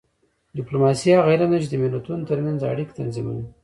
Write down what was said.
ډیپلوماسي هغه علم دی چې د ملتونو ترمنځ اړیکې تنظیموي